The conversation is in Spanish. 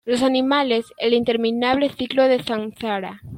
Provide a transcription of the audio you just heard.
Los animales, el interminable ciclo del samsara.